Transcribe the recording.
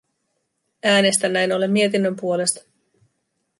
Äänestän näin ollen mietinnön puolesta.